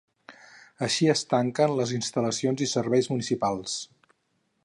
Així es tanquen les instal·lacions i serveis municipals.